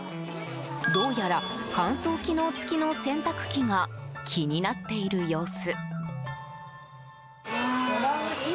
どうやら乾燥機能付きの洗濯機が気になっている様子。